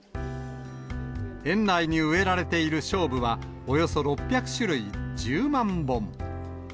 苑内に植えられているしょうぶはおよそ６００種類１０万本。